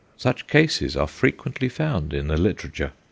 Such cases are frequently found in the literature.